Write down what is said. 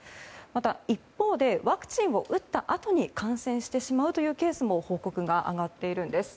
一方でワクチンを打ったあとに感染してしまうというケースも報告が上がっているんです。